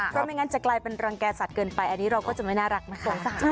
เพราะไม่งั้นจะกลายเป็นรังแก่สัตว์เกินไปอันนี้เราก็จะไม่น่ารักนะคะ